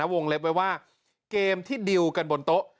วงเล็บไว้ว่าเกมที่ดิวกันบนโต๊ะ